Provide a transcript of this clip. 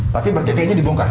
tapi berarti kainnya dibongkar